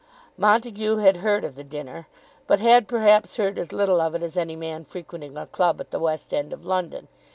Montague had heard of the dinner, but had perhaps heard as little of it as any man frequenting a club at the west end of London.